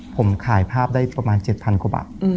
ผมถ่ายภาพได้ประมาณ๗๐๐กว่าบาท